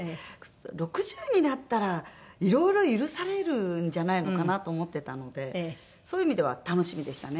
６０になったらいろいろ許されるんじゃないのかなと思ってたのでそういう意味では楽しみでしたね。